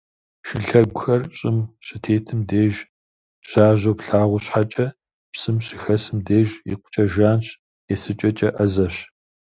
Шылъэгухэр щӏым щытетым деж жьажьэу плъагъу щхьэкӏэ, псым щыхэсым деж икъукӏэ жанщ, есыкӏэкӏэ ӏэзэщ.